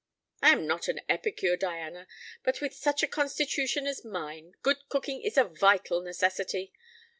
I am not an epicure, Diana; but with such a constitution as mine, good cooking is a vital necessity.